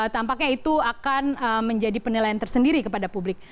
tampaknya itu akan menjadi penilaian tersendiri kepada publik